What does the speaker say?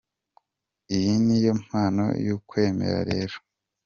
Iyi ni yo mpano y’ukwemera rero.